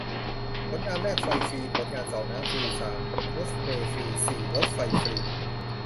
ผลงานแรก ไฟฟรี ผลงานสอง น้ำฟรี สาม รถเมล์ฟรี สี่ รถไฟฟรี